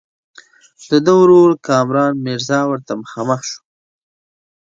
د ده ورور کامران میرزا ورته مخامخ شو.